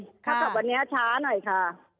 ถ้ากลับวันนี้ช้าหน่อยค่ะ